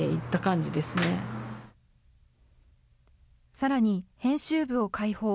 さらに、編集部を開放。